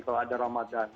kalau ada ramadan